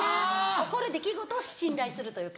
起こる出来事を信頼するというか。